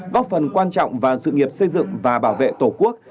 góp phần quan trọng vào sự nghiệp xây dựng và bảo vệ tổ quốc